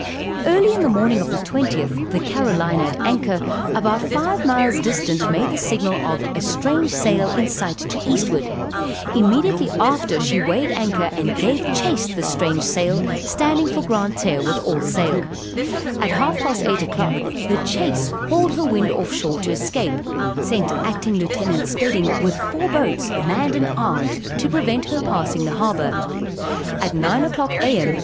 Early in the morning of the 20th, the Carolina at anchor, about five miles distant, made the signal of a "strange sail in sight to eastward"; immediately after she weighed anchor, and gave chase the strange sail, standing for Grand Terre, with all sail; at half past 8 o'clock, the chase hauled her wind off shore to escape; sent acting Lieut. Spedding with four boats manned and armed to prevent her passing the harbor; at 9 o'clock A.M.